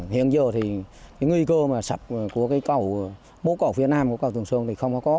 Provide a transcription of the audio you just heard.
hiện giờ thì nguy cơ sập của bố cầu phía nam của cầu tường sơn thì không có có